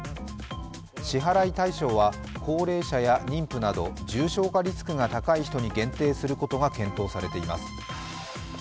支払い対象は高齢者や妊婦など重症化リスクが高い人に限定することが検討されています。